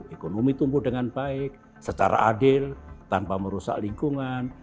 ekonomi tumbuh dengan baik secara adil tanpa merusak lingkungan